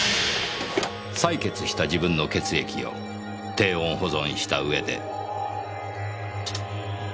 採血した自分の血液を低温保存したうえで。